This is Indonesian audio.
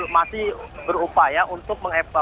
masih berupaya untuk mengevakuasi